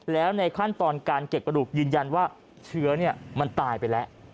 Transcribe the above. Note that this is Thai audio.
แล้วในขั้นตอนการเก็บกระดูกยืนยันว่าเชื้อมันตายไปแล้ว